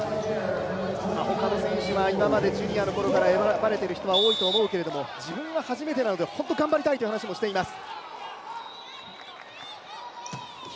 他の選手は今まで、ジュニアのころから選ばれている人が多いと思うけれども自分は初めてなので本当に頑張りたいという話もしています。